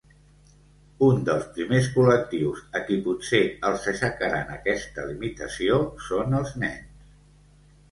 Un dels primers col·lectius a qui potser els aixecaran aquesta limitació són els nens.